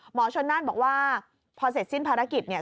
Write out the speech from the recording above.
หมอชนน่านบอกว่าพอเสร็จสิ้นภารกิจเนี่ย